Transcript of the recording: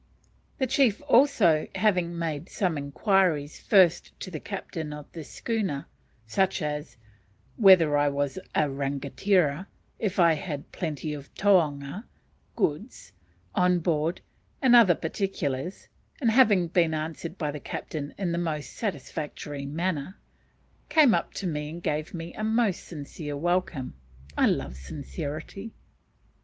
The chief also, having made some inquiries first of the captain of the schooner such as, whether I was a rangatira, if I had plenty of taonga (goods) on board, and other particulars; and having been answered by the captain in the most satisfactory manner, came up to me and gave me a most sincere welcome. (I love sincerity.)